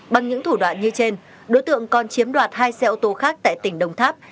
bằng những thủ đoạn như trên đối tượng còn chiếm đoạt hai xe ô tô khác tại tỉnh đồng tháp